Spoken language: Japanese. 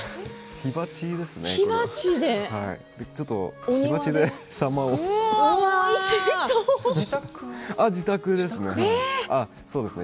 火鉢ですね。